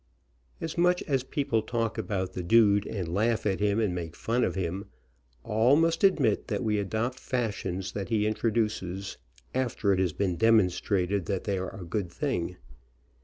As much as people talk about the dude, and laugh at him, and make fun of him, all must admit that we adopt fashions that he introduces, after it has been demonstrated that they are a good thing.